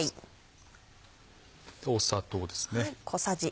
砂糖です。